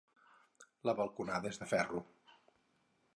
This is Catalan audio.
La balconada és de ferro.